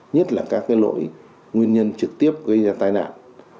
nhất là các lỗi nguyên nhân trực tiếp gây ra tai nạn